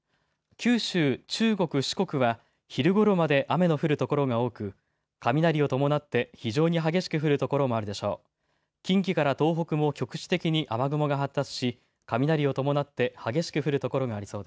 九州、中国、四国は昼ごろまで雨の降る所が多く雷を伴って非常に激しく降る所もあるでしょう。